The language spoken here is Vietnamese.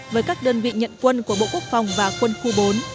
với các đơn vị nhận quân của bộ quốc phòng và quân khu bốn